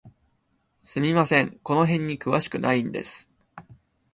すみません、この辺に詳しくないんです。